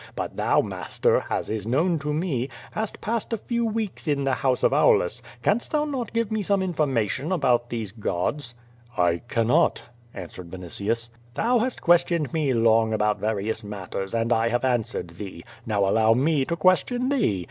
But thou, master, as is known to me, hast passed a few weeks in the house of Aulus, canst not thou give me some information about these Godsr "I cannot," answered Vinitius. "Thou hast questioned me long about various matters, and I have answered thee. Now allow me to question thee.